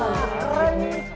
wah keren nih